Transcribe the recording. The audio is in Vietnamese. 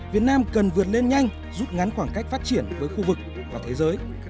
việt nam cần vượt lên nhanh rút ngắn khoảng cách phát triển với khu vực và thế giới